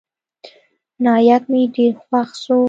نايک مې ډېر خوښ سو.